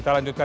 ya mas taufik